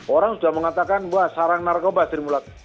orang sudah mengatakan wah sarang narkoba sri mulat